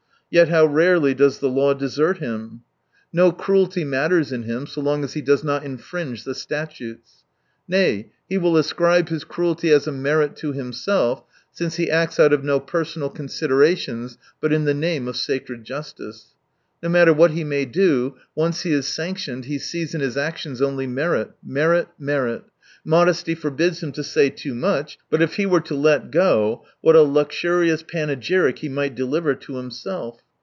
Yet how rarely does the law desert him ! No L i6i cruelty matters in him, so long as he does not infringe the statutes. Nay, he will ascribe his cruelty as a merit to himself, since he acts out of no personal considera tions, but in the name of sacred justice. No matter what he may do, once he is sanctioned he sees in his actions only merit, merit, merit. Modesty forbids him to say too much — but if he were to let go, what a luxurious panegyric he might deliver to himself